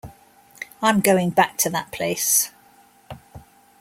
I'm going back to that place.